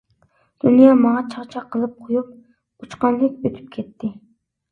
دۇنيا ماڭا چاقچاق قىلىپ قويۇپ ئۇچقاندەك ئۆتۈپ كەتتى.